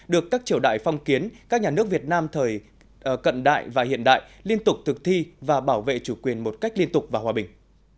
được các triều đại phong kiến các nhà nước việt nam thời cận đại và hiện đại liên tục thực thi và bảo vệ chủ quyền một cách liên tục và hòa bình